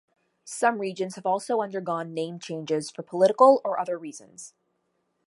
Some regions have also undergone name changes for political or other reasons.